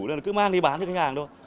nên là cứ mang đi bán cho khách hàng thôi